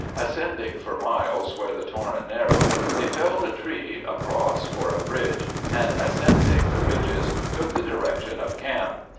Ascending for miles where the torrent narrowed, they felled a tree across for a bridge and, ascending the ridges, took the direction of camp.